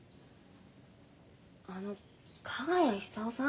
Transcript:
あの加賀谷久男さん？